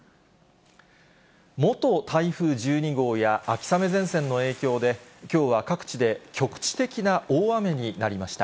元台風１２号や、秋雨前線の影響で、きょうは各地で局地的な大雨になりました。